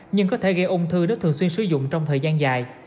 nhưng có thể gây ung thư nếu thường xuyên sử dụng trong thời gian dài